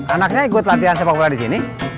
anaknya ikut latihan sepak bola di sini